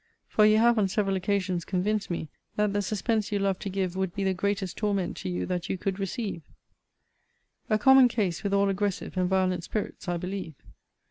For you have, on several occasions, convinced me, that the suspense you love to give would be the greatest torment to you that you could receive. A common case with all aggressive and violent spirits, I believe.